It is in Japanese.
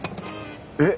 えっ！